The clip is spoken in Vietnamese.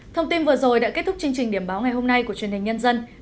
thông tin vừa rồi đã kết thúc chương trình điểm báo ngày hôm nay của truyền hình nhân dân